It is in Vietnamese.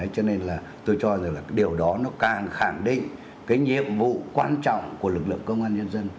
cho nên là tôi cho rằng điều đó nó càng khẳng định nhiệm vụ quan trọng của lực lượng công an nhân dân